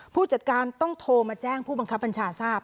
ผู้จัดการต้องโทรมาแจ้งผู้บังคับบัญชาทราบ